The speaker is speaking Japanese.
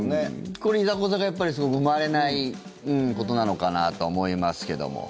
これ、いざこざが生まれないことなのかなと思いますけど。